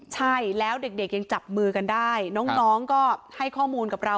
ใช่แล้วเด็กยังจับมือกันได้น้องก็ให้ข้อมูลกับเรา